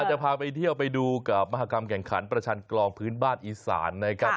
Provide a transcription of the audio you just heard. จะพาไปเที่ยวไปดูกับมหากรรมแข่งขันประชันกลองพื้นบ้านอีสานนะครับ